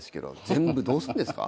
全部どうすんですか？